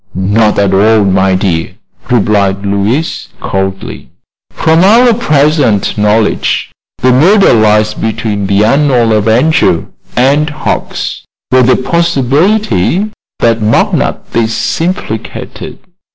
"Not at all, my dear," replied Louise, coldly. "From our present knowledge the murder lies between the unknown avenger and Hucks, with the possibility that McNutt is implicated.